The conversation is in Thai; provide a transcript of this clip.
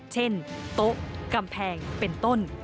เช่นโต๊ะกำแพงเป็นต้น